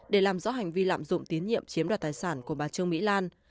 để làm rõ hành vi lạm dụng tín nhiệm chiếm đoạt tài sản của bà trương mỹ lan